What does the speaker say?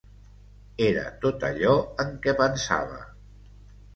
Era tot allò en què pensava.